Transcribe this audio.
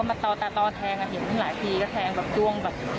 ก็มาต่อต่อแทงเห็นพวกนี้หลายทีแทงแบบจ้วงแบบแทง